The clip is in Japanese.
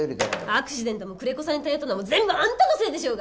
アクシデントも久連木さん頼ったのも全部あんたのせいでしょうが！